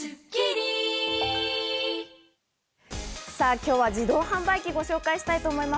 今日は自動販売機をご紹介したいと思います。